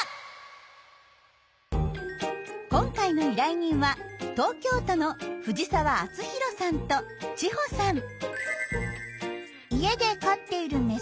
今回の依頼人は東京都の藤澤篤寛さんと知歩さん。